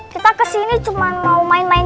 kita kesini cuma mau main main